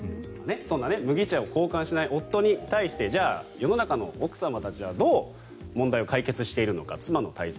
そんな麦茶を交換しない夫に対してじゃあ、世の中の奥様達はどう問題を解決しているのか妻の対策